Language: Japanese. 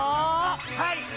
はい！